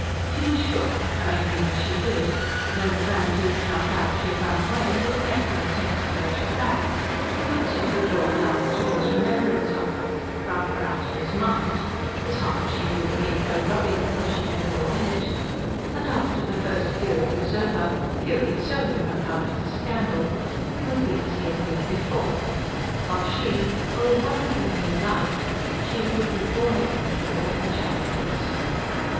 She was sure, knowing him as she did, that when the Grand Duke found out she had run away he would make no attempt to fetch her back, but would simply draw a line through his remembrance of her, rub her out of his mind, (his heart, she knew, would need no rubbing, because she had never been in it,) and after the first fury was over, fury solely on account of the scandal, he would be as he had been before, while she oh wonderful new life! she would be born again to all the charities.